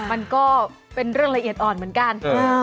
มันก็เป็นเรื่องละเอียดอ่อนเหมือนกัน